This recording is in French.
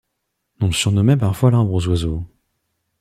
On le surnommait parfois l'arbre aux oiseaux.